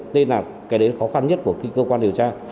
nên là cái khó khăn nhất của cơ quan điều tra